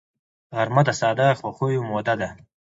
غرمه د ساده خوښیو موده ده